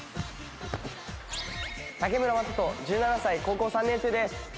竹村実悟１７歳高校３年生です。